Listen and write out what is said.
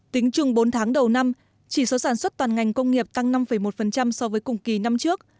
tính chung bốn tháng đầu năm chỉ số sản xuất toàn ngành công nghiệp tăng năm một so với cùng kỳ năm trước